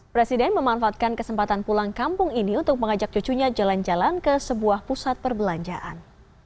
presiden memanfaatkan kesempatan pulang kampung ini untuk mengajak cucunya jalan jalan ke sebuah pusat perbelanjaan